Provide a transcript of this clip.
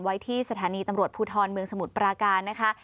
ไว้ที่สถานีตำรวจภูทรเมืองสมุทรปราการนะคะ